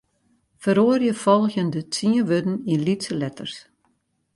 Feroarje folgjende tsien wurden yn lytse letters.